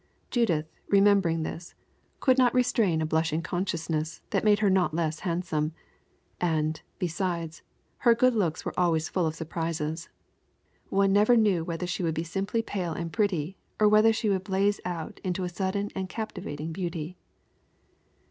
Judith, remembering this, could not restrain a blushing consciousness that made her not less handsome; and, besides, her good looks were always full of surprises. One never knew whether she would be simply pale and pretty, or whether she would blaze out into a sudden and captivating beauty.